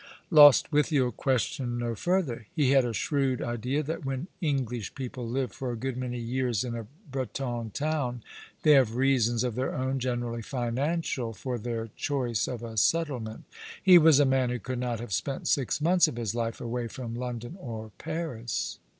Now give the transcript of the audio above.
Lostwithiel questioned no further. He had a shrewd idea that when English people live for a good many years in a Breton town they have reasons of their own, generally financial, for their choice of a settlement. He was a man who could not have spent six months of his life away from London or Paris.